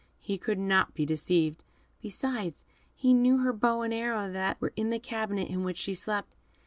He could not be deceived; besides, he knew her bow and arrow that were in the cabinet in which she slept.